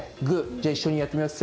じゃあいっしょにやってみます。